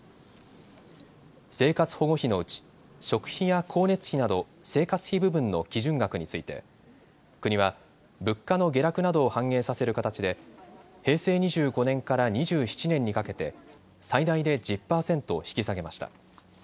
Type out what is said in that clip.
生活保護費のうち食費や光熱費など生活費部分の基準額について国は物価の下落などを反映させる形で平成２５年から２７年にかけて最大で１０％引き下げました。